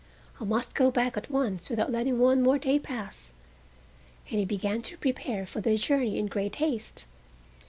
I must go back at once without letting one more day pass." And he began to prepare for the journey in great haste.